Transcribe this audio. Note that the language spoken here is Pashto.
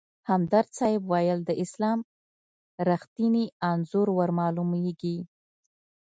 همدرد صیب ویل: د اسلام رښتیني انځور ورمالومېږي.